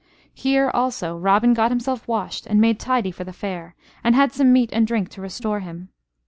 Here, also, Robin got himself washed and made tidy for the Fair, and had some meat and drink to restore him.